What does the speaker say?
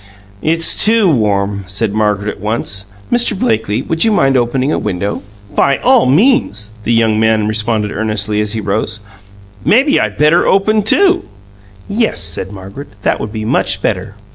"It's too warm,"' said Margaret, at once. "Mr. Blakely, would you mind opening a window?" "By all means!" the young man responded earnestly, as he rose. "Maybe I'd better open two?" "Yes," said Margaret; "that would be much better."